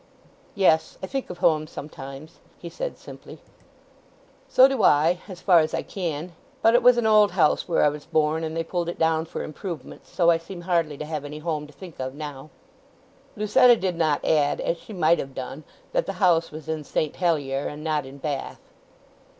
"Yes. I think of home sometimes!" he said simply. "So do I—as far as I can. But it was an old house where I was born, and they pulled it down for improvements, so I seem hardly to have any home to think of now." Lucetta did not add, as she might have done, that the house was in St. Helier, and not in Bath.